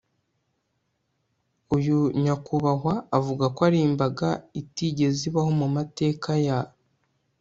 uyu nyakubahwa avuga ko ari imbaga itigeze ibaho mu mateka ya